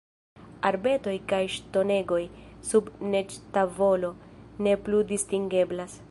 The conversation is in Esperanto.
Arbetoj kaj ŝtonegoj, sub neĝtavolo, ne plu distingeblas.